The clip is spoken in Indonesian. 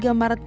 di pertamu ini